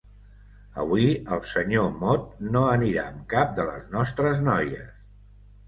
Avui el senyor Mot no anirà amb cap de les nostres noies.